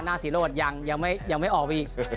หน้าสีโรดยังยังไม่ออกอีก